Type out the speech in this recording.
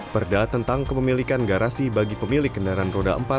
perda tentang kepemilikan garasi bagi pemilik kendaraan roda empat